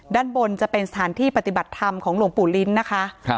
ด้านบนจะเป็นสถานที่ปฏิบัติธรรมของหลวงปู่ลิ้นนะคะ